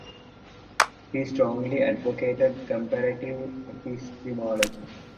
He strongly advocated comparative epistemology.